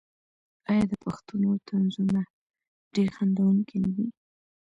آیا د پښتنو طنزونه ډیر خندونکي نه دي؟